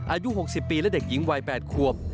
อายุ๖๐ปีและเด็กหญิงวัย๘ควบ